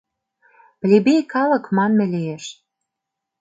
Плебей калык манме лиеш.